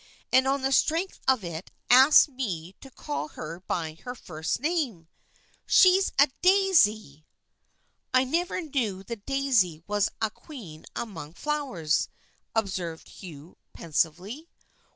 And on the strength of it asked me to call her by her first name ! She's a daisy !"" I never knew the daisy was a queen among flowers," observed Hugh, pensively.